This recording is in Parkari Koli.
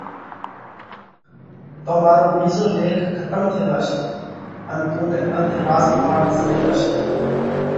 تو مارو ٻِيزو ليک کتم ٿي زاشي ان تُون نئہ اڌ راز پاٽ زڙي زاشي،